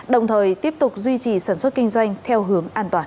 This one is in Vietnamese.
đồng thời tiếp tục duy trì sản xuất kinh doanh theo hướng an toàn